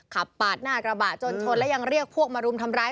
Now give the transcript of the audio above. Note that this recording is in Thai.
ขับปาดหน้ากระบะจนชนแล้วยังเรียกพวกมารุมทำร้าย